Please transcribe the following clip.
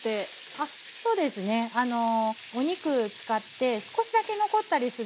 そうですねお肉使って少しだけ残ったりするので。